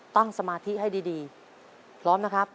สมาธิให้ดีพร้อมนะครับ